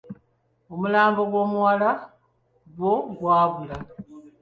Omulambo gw'omuwala gwo gwabula.